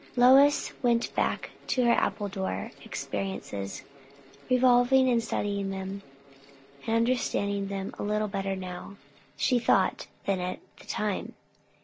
Lois went back to her Appledore experiences, revolving and studying them, and understanding them a little better now, she thought, than at the time.